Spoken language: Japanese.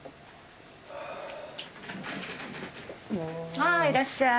ああいらっしゃい。